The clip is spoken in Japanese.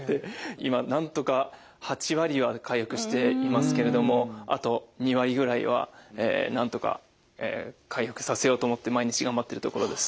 今なんとか８割は回復していますけれどもあと２割ぐらいはなんとか回復させようと思って毎日頑張っているところです。